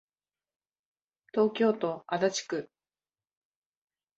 東京都足立区